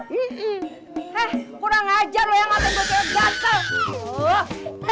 he kurang ajar lu yang nganteng buat kayak gatel